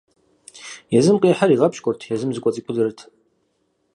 Езым къихьыр игъэпщкӀурт, езым зыкӀуэцӀикудэрт.